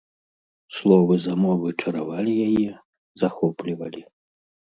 Словы замовы чаравалі яе, захоплівалі.